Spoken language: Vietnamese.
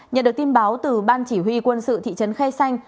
nhận được tin báo từ ban chỉ huy quân sự thị trấn khe xanh